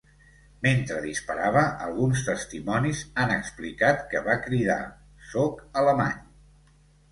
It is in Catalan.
Mentre disparava, alguns testimonis han explicat que va cridar: Sóc alemany.